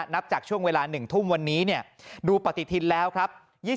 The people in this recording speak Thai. นับจากช่วงเวลา๑ทุ่มวันนี้ดูปฏิทินแล้วครับ